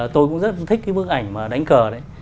tôi cũng rất thích bức ảnh đánh cờ